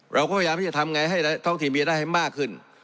เราก็พยายามที่จะทำไงให้ท้องถิ่นมีรายได้ให้มากขึ้น